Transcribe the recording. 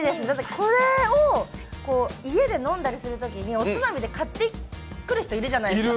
これを家で飲んだりするときに、おつまみで買ってくる人いるじゃないですか。